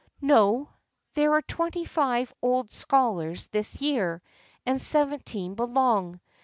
" No. There are twenty five old scholars this year, and seventeen belong.